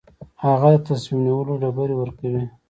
هغه د تصمیم نیولو ډبرې ورکوي.